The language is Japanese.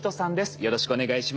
よろしくお願いします。